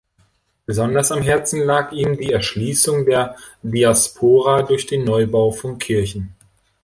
Besonders am Herzen lag ihm die Erschließung der Diaspora durch den Neubau von Kirchen.